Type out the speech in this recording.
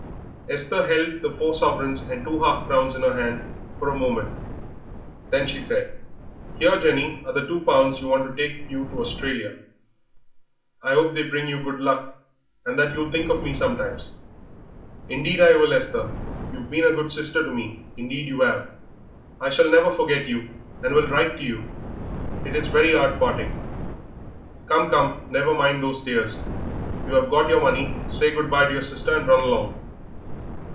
Esther held the four sovereigns and the two half crowns in her hand for a moment, then she said "Here, Jenny, are the two pounds you want to take you to Australia. I 'ope they'll bring you good luck, and that you'll think of me sometimes." "Indeed I will, Esther. You've been a good sister to me, indeed you 'ave; I shall never forget you, and will write to you.... It is very 'ard parting." "Come, come, never mind those tears. You have got your money; say good bye to your sister and run along."